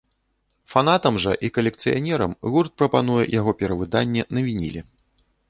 Фанатам жа і калекцыянерам гурт прапануе яго перавыданне на вініле.